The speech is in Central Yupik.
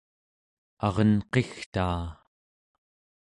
arenqigtaa